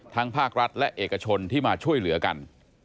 ภาครัฐและเอกชนที่มาช่วยเหลือกัน